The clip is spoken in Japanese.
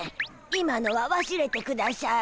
今のはわすれてくだしゃい。